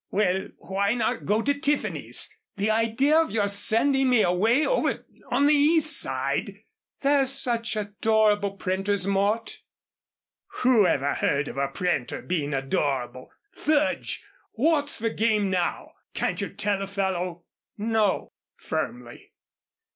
"Well, why not go to Tiffany's? The idea of your sending me away over on the East side " "They're such adorable printers, Mort." "Who ever heard of a printer being adorable? Fudge! What's the game now? Can't you tell a fellow?" "No," firmly.